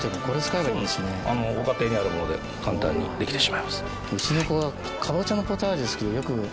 ご家庭にあるもので簡単にできてしまいます。